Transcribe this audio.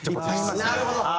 なるほど。